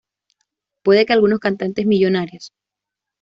puede que algunos cantantes millonarios